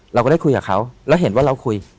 เราก็ได้คุยกับเขาแล้วเห็นว่าเราคุย